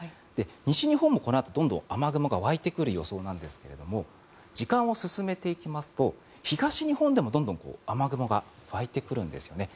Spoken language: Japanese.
西日本もこのあと、どんどん雨雲が湧いてくる予想なんですが時間を進めていきますと東日本でもどんどん雨雲が湧いてくるんですよね。